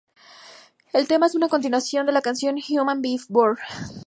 El tema es una continuación de la canción Human Behaviour.